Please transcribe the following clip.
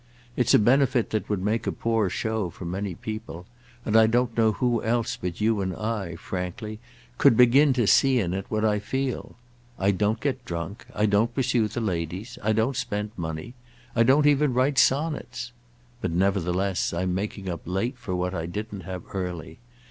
It's a benefit that would make a poor show for many people; and I don't know who else but you and I, frankly, could begin to see in it what I feel. I don't get drunk; I don't pursue the ladies; I don't spend money; I don't even write sonnets. But nevertheless I'm making up late for what I didn't have early.